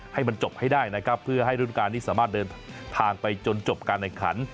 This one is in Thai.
ให้มันจบให้ได้นะครับเพื่อให้รุ่นการนี้สามารถเดินทางไปจนจบการแข่งขัน